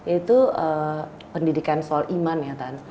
itu pendidikan soal iman ya kan